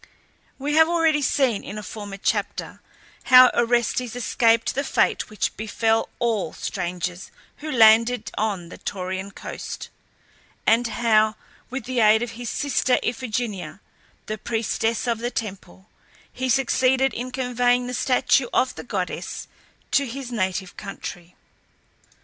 We have already seen in a former chapter how Orestes escaped the fate which befell all strangers who landed on the Taurian coast, and how, with the aid of his sister Iphigenia, the priestess of the temple, he succeeded in conveying the statue of the goddess to his native country.